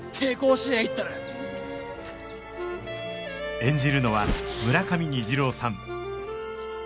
演じるのは村上虹郎さん